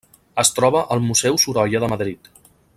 Es troba al Museu Sorolla de Madrid.